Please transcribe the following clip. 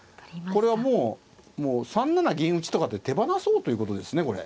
これはもう３七銀打とかって手放そうということですねこれ。